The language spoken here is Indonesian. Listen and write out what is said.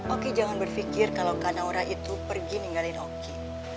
oh ki jangan berfikir kalau kak naura itu pergi ninggalin oh ki